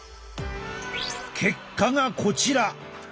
結果がこちら。